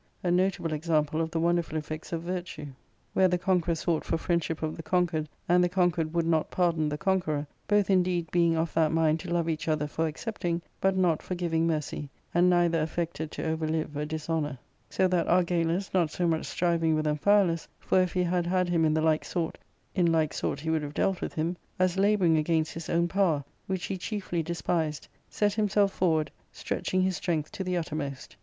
A notable ex ample of the wonderful effects of virtue, where the conqueror ARCADIA,— Book IIL 303 sought for friendship of the conquered, and the conquered would not pardon the conqueror, both indeed being of that mind to love each other for accepting, but not for giving mercy, and neither affected to overlive a dishonour ; so that Argalus, not so much striving with Amphialus — for if he had had him in the hke sort, in like sort he would have dealt with him — as labouring against his own power, which he chiefly despised, set himself forward, stretching his strength to the uttermost.